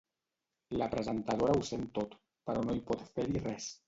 La presentadora ho sent tot, però no pot fer-hi res.